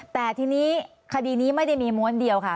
แต่ทีนี้คดีนี้ไม่ได้มีม้วนเดียวค่ะ